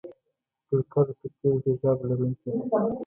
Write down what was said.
سرکه د سرکې د تیزابو لرونکې ده.